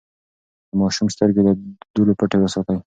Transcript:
د ماشوم سترګې له دوړو پټې وساتئ.